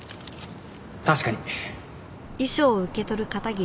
確かに。